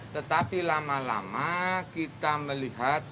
tetapi lama lama kita melihat